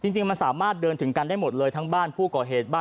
จริงมันสามารถเดินถึงกันได้หมดเลยทั้งบ้านผู้ก่อเหตุบ้าน